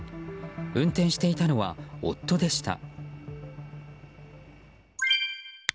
運転していたのは夫でした。